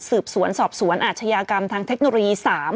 สืบสวนสอบสวนอาชญากรรมทางเทคโนโลยี๓